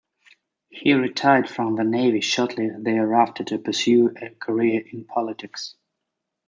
He retired from the Navy shortly thereafter to pursue a career in politics.